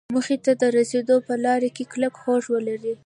موخې ته د رسېدو په لاره کې کلک هوډ ولري.